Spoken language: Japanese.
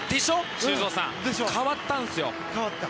修造さん変わったんですよ。